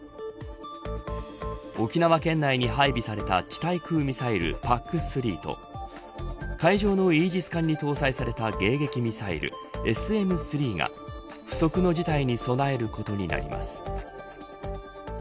沖縄県内に配備された地対空ミサイルＰＡＣ‐３と海上のイージス艦に搭載された迎撃ミサイルＳＭー３が不測の事態に備えることになります。